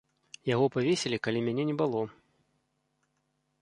Яго павесілі, калі мяне не было.